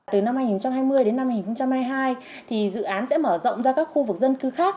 từ năm hai nghìn hai mươi đến năm hai nghìn hai mươi hai dự án sẽ mở rộng ra các khu vực dân cư khác